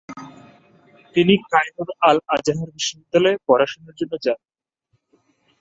তিনি কায়রোর আল-আজহার বিশ্ববিদ্যালয়ে পড়াশোনার জন্য যান।